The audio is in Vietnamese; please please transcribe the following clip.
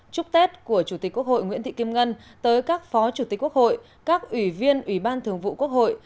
chúc tết của chủ tịch quốc hội nguyễn thị kim ngân tới các phó chủ tịch quốc hội các ủy viên ủy ban thường vụ quốc hội